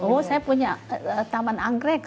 oh saya punya taman anggrek